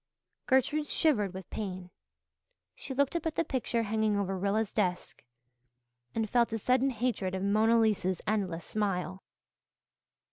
Gertrude shivered with pain. She looked up at the pictures hanging over Rilla's desk and felt a sudden hatred of Mona Lisa's endless smile.